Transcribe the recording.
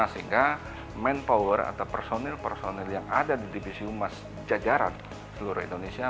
sehingga manpower atau personil personil yang ada di divisi umas jajaran seluruh indonesia